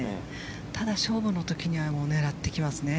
ただ、勝負の時には狙ってきますね。